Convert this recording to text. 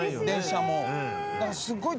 電車も。